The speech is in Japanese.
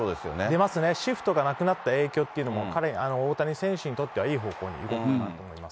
出ますね、シフトがなくなった影響というのも、大谷選手にとってはいい方向に行くと思います。